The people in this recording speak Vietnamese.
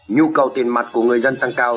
nhu cầu tiền mặt của người dân tăng cao